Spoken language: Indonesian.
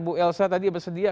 bu elsa tadi bersedia